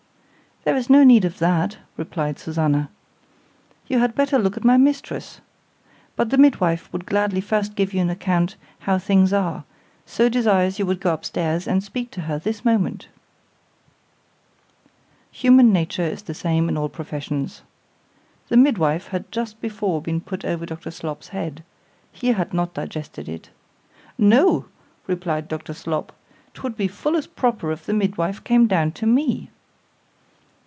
—There is no need of that, replied Susannah,—you had better look at my mistress—but the midwife would gladly first give you an account how things are, so desires you would go up stairs and speak to her this moment. Human nature is the same in all professions. The midwife had just before been put over Dr. Slop's head—He had not digested it.—No, replied Dr. Slop, 'twould be full as proper if the midwife came down to me.